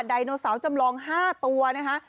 ไดโนเสาร์จำลอง๕ตัวนะคะ